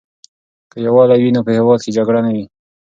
که یووالی وي نو په هېواد کې جګړه نه وي.